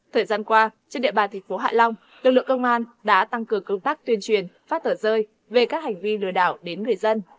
thời gian qua trên địa bàn thành phố hạ long lực lượng công an đã tăng cường công tác tuyên truyền phát tở rơi về các hành vi lừa đảo đến người dân